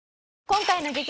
今回の激